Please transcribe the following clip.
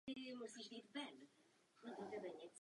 Brada a krk jsou také červené.